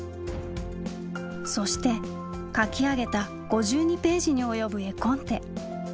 そして描き上げた５２ページに及ぶ絵コンテ。